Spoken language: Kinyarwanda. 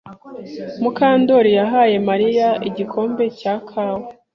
Mukandori yahaye Mariya igikombe cya kawa.